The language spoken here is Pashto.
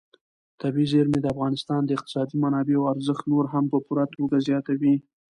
طبیعي زیرمې د افغانستان د اقتصادي منابعو ارزښت نور هم په پوره توګه زیاتوي.